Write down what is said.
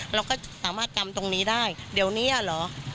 เราก็สามารถกำตรงนี้ได้เดี๋ยวนี้เหรอ